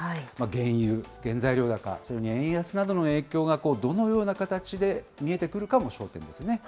原油、原材料高、それに円安などの影響が、どのような形で見えてくるかも焦点ですね。